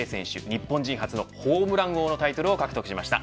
日本人初のホームラン王のタイトルを獲得しました。